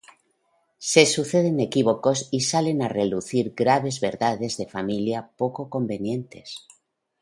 Se suceden equívocos y salen a relucir graves verdades de familia poco convenientes.